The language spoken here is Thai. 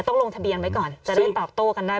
ต้องลงทะเบียนไว้ก่อนจะได้ตอบโต้กันได้